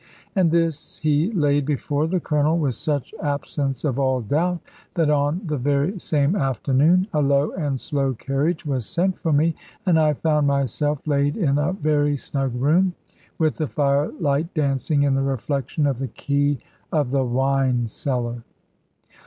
And this he laid before the Colonel with such absence of all doubt, that on the very same afternoon a low and slow carriage was sent for me, and I found myself laid in a very snug room, with the firelight dancing in the reflection of the key of the wine cellar.